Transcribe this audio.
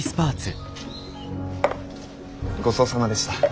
ごちそうさまでした。